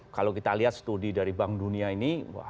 kalau kita lihat studi dari bank dunia ini